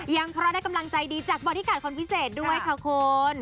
เพราะเราได้กำลังใจดีจากบอดี้การ์ดคนพิเศษด้วยค่ะคุณ